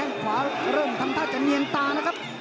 อยู่นะครับยังดูไม่ออกแต่แข้งขวาเริ่มทำท่าจะเนียนตานะครับ